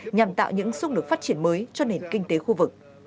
nhằm tạo những xung lực phát triển mới cho nền kinh tế khu vực